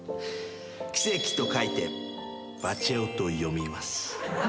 「奇跡」と書いて「バチェ男」と読みます。